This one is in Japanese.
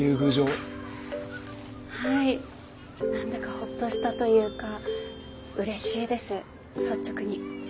はい何だかほっとしたというかうれしいです率直に。